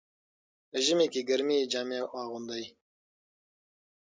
په ژمي کې ګرمې جامې اغوندئ.